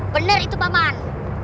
benar itu pak man